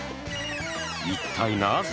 一体なぜ？